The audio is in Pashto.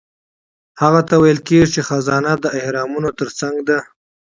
هغه ته ویل کیږي چې خزانه د اهرامونو ترڅنګ ده.